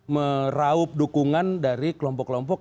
meraup dukungan dari kelompok kelompok